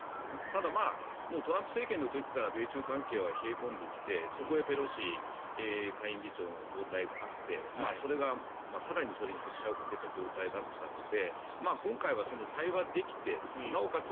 ただ、トランプ政権の時から米中関係は冷え込んできてそこへペロシ下院議長の訪台があってそれが更にそれに拍車をかけた状態だったので今回は対話できてなおかつ